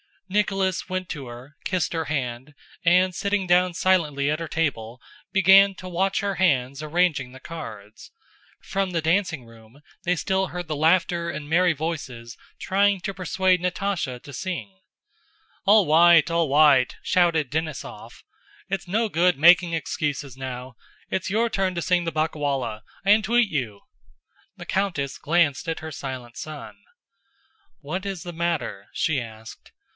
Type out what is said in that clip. Nicholas went to her, kissed her hand, and sitting down silently at her table began to watch her hands arranging the cards. From the dancing room, they still heard the laughter and merry voices trying to persuade Natásha to sing. "All wight! All wight!" shouted Denísov. "It's no good making excuses now! It's your turn to sing the ba'cawolla—I entweat you!" The countess glanced at her silent son. "What is the matter?" she asked.